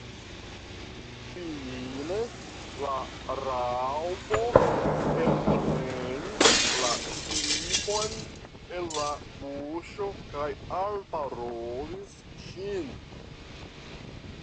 Fine la Raŭpo elprenis la pipon el la buŝo kaj alparolis ŝin.